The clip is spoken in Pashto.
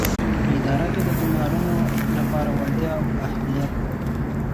په اداره کې د ګومارنو لپاره وړتیا او اهلیت.